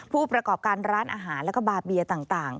ผู้ประกอบการร้านอาหารแล้วก็บาเบียต่าง